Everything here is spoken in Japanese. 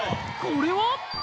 これは？